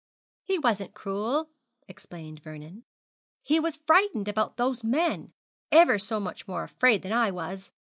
'He wasn't cruel,' explained Vernon; 'he was frightened about those men, ever so much more afraid than I was.